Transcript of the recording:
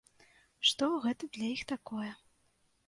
Што гэта для іх такое.